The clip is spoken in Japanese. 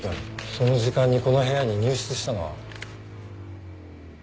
その時間にこの部屋に入室したのは？